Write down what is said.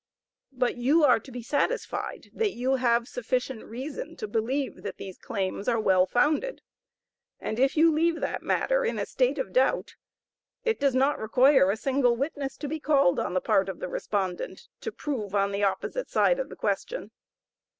But you are to be satisfied that you have sufficient reason to believe that these claims are well founded. And if you leave that matter in a state of doubt, it does not require a single witness to be called on the part of the respondent, to prove on the opposite side of the question.